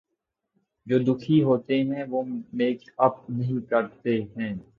جو دکھی ھوتے ہیں وہ میک اپ نہیں کرتے ہیں